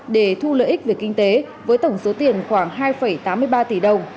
để thu lợi ích về kinh tế với tổng số tiền khoảng hai tám mươi ba tỷ đồng